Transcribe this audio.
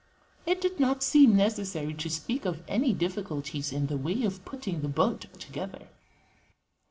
It did not seem necessary to speak of any difficulties in the way of putting the boat together.